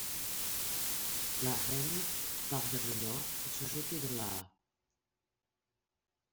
La Hem part vers le nord pour se jeter dans l'Aa.